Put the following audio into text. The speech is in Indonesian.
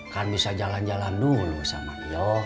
kan bisa jalan jalan dulu sama dia